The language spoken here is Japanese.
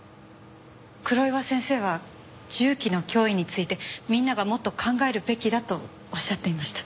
黒岩先生は銃器の脅威についてみんながもっと考えるべきだとおっしゃっていました。